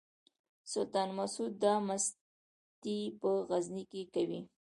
سلطان مسعود دا مستي په غزني کې کوي.